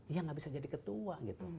ya enggak bisa jadi ketua